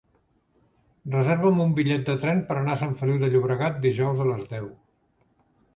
Reserva'm un bitllet de tren per anar a Sant Feliu de Llobregat dijous a les deu.